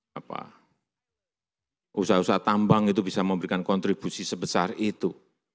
usaha usaha tambang itu bisa memberikan kontribusi sebesar itu